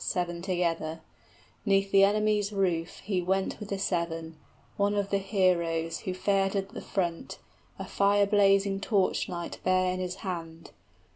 } Seven together; 'neath the enemy's roof he Went with the seven; one of the heroes 65 Who fared at the front, a fire blazing torch light Bare in his hand.